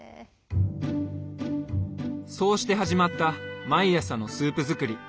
そうして始まった毎朝のスープ作り。